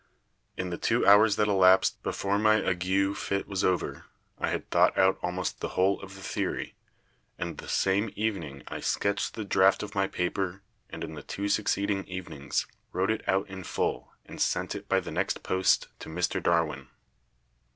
In the two hours that elapsed before my ague fit was over I had thought out almost the whole of the theory, and the same evening I sketched the draft of my paper and in the two succeeding evenings wrote it out in full and sent it by the next post to Mr. Darwin."